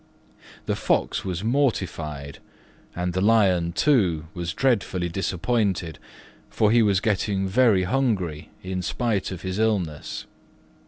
The Fox was much mortified, and the Lion, too, was dreadfully disappointed, for he was getting very hungry in spite of his illness.